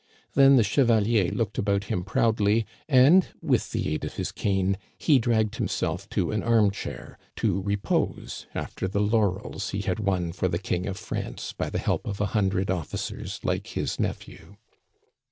Then the chevalier looked about him proudly, and, with the aid of his cane, he dragged himself to an arm chair, to repose after the laurels he had won for the King of France by the help of a hundred officers like his nephew.